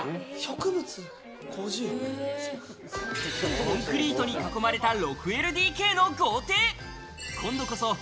コンクリートに囲まれた６ＬＤＫの豪邸。